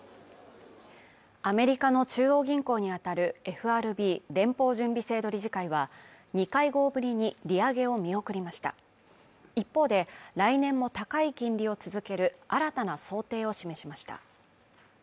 アメリカの中央銀行にあたるＦＲＢ＝連邦準備制度理事会は２会合ぶりに利上げを見送りました一方で来年も高い金利を続ける新たな想定を示しました